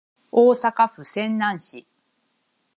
大阪府泉南市